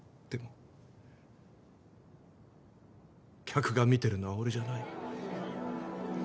客が見てるのは俺じゃない。